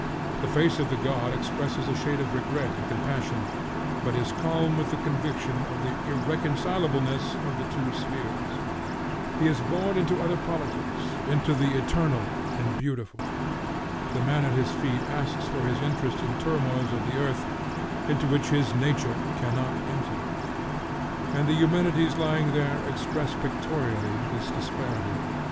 The face of the god expresses a shade of regret and compassion, but is calm with the conviction of the irreconcilableness of the two spheres. He is born into other politics, into the eternal and beautiful. The man at his feet asks for his interest in turmoils of the earth, into which his nature cannot enter. And the Eumenides there lying express pictorially this disparity.